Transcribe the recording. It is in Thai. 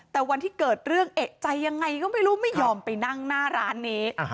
แต่วันที่เกิดเรื่องเอกใจยังไงก็ไม่รู้ไม่ยอมไปนั่งหน้าร้านนี้